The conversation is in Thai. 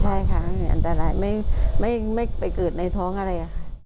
ใช่ค่ะอันตรายไม่ไปเกิดในท้องอะไรค่ะ